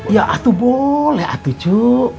ya atuh boleh atuh cu